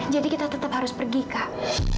jadi kita tetap harus pergi kak